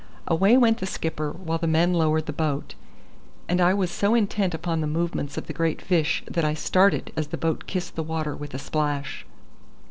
Away went the skipper, while the men lowered the boat; and I was so intent upon the movements of the great fish that I started as the boat kissed the water with a splash.